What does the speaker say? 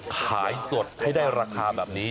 ขายสดให้ได้ราคาแบบนี้